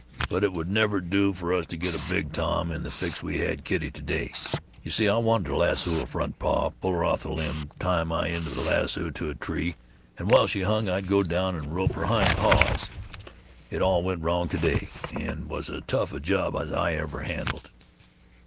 But it would never do for us to get a big Tom in the fix we had Kitty to day. You see, I wanted to lasso her front paw, pull her off the limb, tie my end of the lasso to the tree, and while she hung I'd go down and rope her hind paws. It all went wrong to day, and was as tough a job as I ever handled."